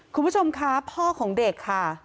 คุณผู้ชมคะพ่อของเด็กค่ะ